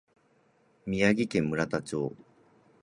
宮城県村田町